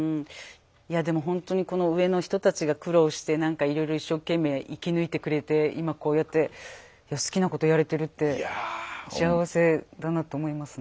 いやでもほんとにこの上の人たちが苦労してなんかいろいろ一生懸命生き抜いてくれて今こうやって好きなことやれてるって幸せだなと思いますね。